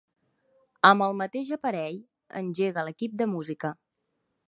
Amb el mateix aparell engega l'equip de música.